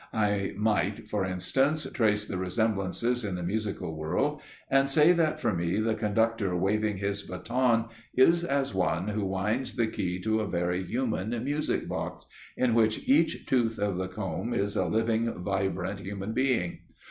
I might, for instance, trace the resemblances in the musical world and say that for me the conductor waving his baton is as one who winds the key to a very human music box, in which each tooth of the comb is a living, vibrant human being.